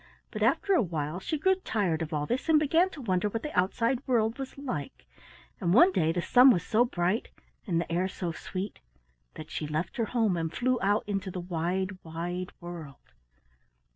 But after a while she grew tired of all this and began to wonder what the outside world was like, and one the day the sun was so bright and the air so sweet that she left her home and flew out into the wide, wide world.